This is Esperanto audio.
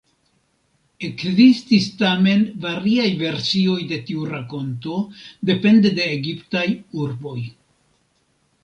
Ekzistis tamen variaj versioj de tiu rakonto depende de egiptaj urboj.